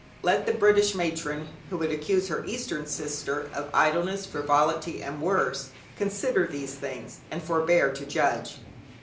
Let the British matron who would accuse her Eastern sister of idleness, frivolity, and worse, consider these things, and forbear to judge.